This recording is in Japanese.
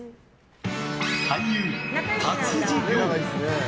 俳優・勝地涼。